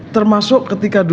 termasuk ketika dulu